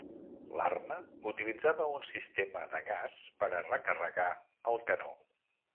L'arma utilitzava un sistema de gas per a recarregar el canó.